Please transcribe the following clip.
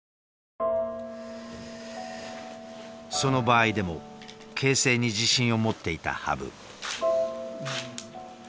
その場合でも形勢に自信を持っていた羽生。